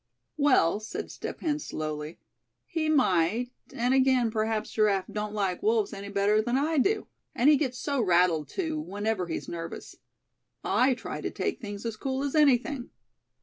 "Well," said Step Hen, slowly; "he might; and again, perhaps Giraffe don't like wolves any better than I do. And he gets so rattled too, whenever he's nervous. I try to take things as cool as anything.